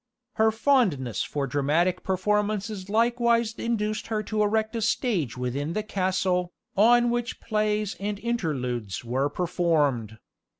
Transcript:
Her fondness for dramatic performances likewise induced her to erect a stage within the castle, on which plays and interludes were performed.